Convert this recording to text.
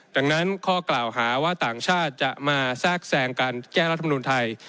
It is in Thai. ดังนั้นข้อกล่าวหาว่าต่างชาติจะมาแทรกแซงการแก้รัฐมนุนไทย